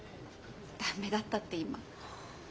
ダメだったって今。